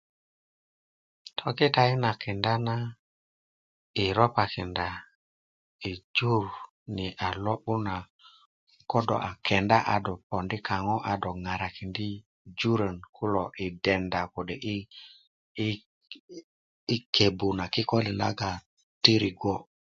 tikitayi na kita na yi ropakinda yi jur ni na lo'but na ko do a kenda a do pondi' kaŋo a do ŋarakindi' jurön kulo yi denda kode' yi yi yi kebbu na kikolin laga ti rigbo'